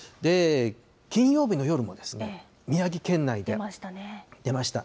金曜日の夜もですね、宮城県内で出ました。